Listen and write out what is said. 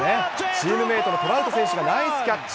チームメートのトラウト選手がナイスキャッチ。